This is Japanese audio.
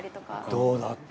どうだった？